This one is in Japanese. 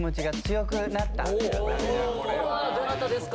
これはどなたですか？